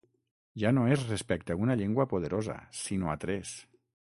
Ja no és respecte a una llengua poderosa, sinó a tres!